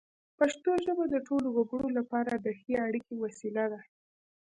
پښتو ژبه د ټولو وګړو لپاره د ښې اړیکې وسیله ده.